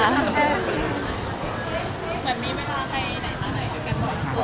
แบบนี้เวลาให้ใดทุกคน